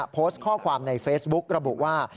โพสต์ข้อความในเฟซบุ๊กระบุว่า